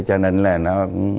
cho nên là nó